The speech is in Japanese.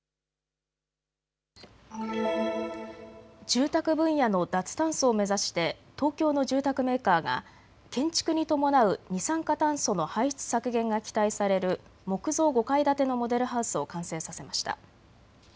住宅分野の脱炭素を目指して東京の住宅メーカーが建築に伴う二酸化炭素の排出削減が期待される木造５階建てのモデルハウスを完成させました。